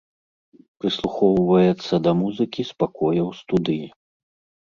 Прыслухоўваецца да музыкі з пакояў студыі.